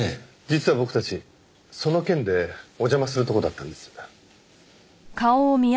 実は僕たちその件でお邪魔するとこだったんです。